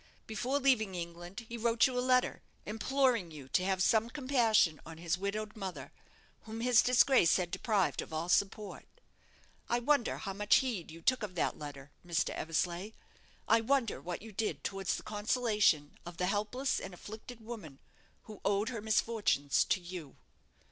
Before leaving England he wrote you a letter, imploring you to have some compassion on his widowed mother, whom his disgrace had deprived of all support. I wonder how much heed you took of that letter, Mr. Eversleigh? I wonder what you did towards the consolation of the helpless and afflicted woman who owed her misfortunes to you?"